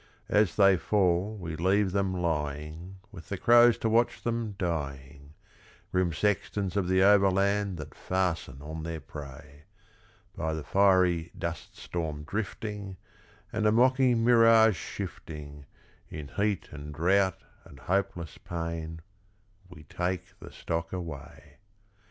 As they fall we leave them lying, With the crows to watch them dying, Grim sextons of the Overland that fasten on their prey; By the fiery dust storm drifting, And the mocking mirage shifting, In heat and drought and hopeless pain we take the stock away.